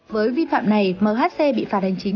với vi phạm này mhc bị phạt hành chính